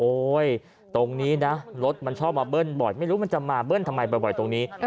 ตรงนี้นะรถมันชอบมาเบิ้ลบ่อยไม่รู้มันจะมาเบิ้ลทำไมบ่อยตรงนี้